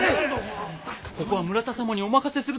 ここは村田様にお任せするとしやしょう。